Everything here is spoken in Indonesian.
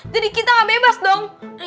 jadi kita gak bebas dong